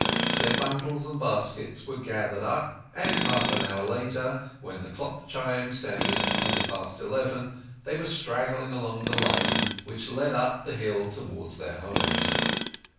Their bundles and baskets were gathered up, and half an hour later, when the clock chime sounded a quarter past eleven, they were straggling along the lane which led up the hill towards their homes.